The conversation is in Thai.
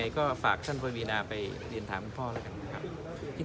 ก็ฝากท่านปวีนาไปเรียนถามคุณพ่อแล้วกันนะครับ